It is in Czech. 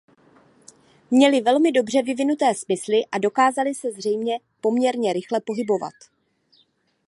Měli velmi dobře vyvinuté smysly a dokázali se zřejmě poměrně rychle pohybovat.